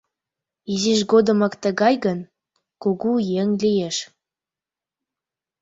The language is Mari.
— Изиж годымак тыгай гын, кугу еҥ лиеш.